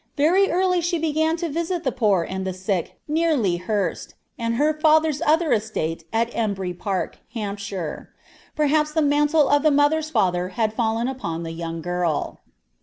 Very early she began to visit the poor and the sick near Lea Hurst, and her father's other estate at Embly Park, Hampshire. Perhaps the mantle of the mother's father had fallen upon the young girl.